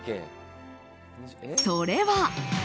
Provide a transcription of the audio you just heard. それは。